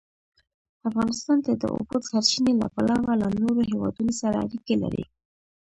افغانستان د د اوبو سرچینې له پلوه له نورو هېوادونو سره اړیکې لري.